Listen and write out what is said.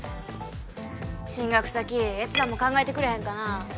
進学先越山も考えてくれへんかな